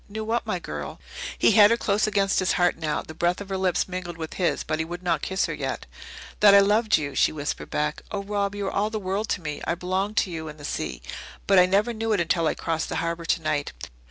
"Knew what, my girl?" He had her close against his heart now; the breath of her lips mingled with his, but he would not kiss her yet. "That I loved you," she whispered back. "Oh, Rob, you are all the world to me. I belong to you and the sea. But I never knew it until I crossed the harbour tonight.